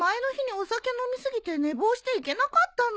お酒飲み過ぎて寝坊して行けなかったの